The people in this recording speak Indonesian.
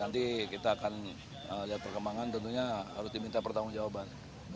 nanti kita akan lihat perkembangan tentunya harus diminta pertanggung jawaban